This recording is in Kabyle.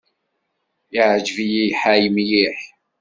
Iɛǧeb-iyi lḥal mliḥ.